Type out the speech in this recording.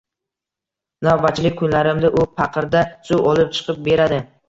Navbatchilik kunlarimda u paqirda suv olib chiqib beradi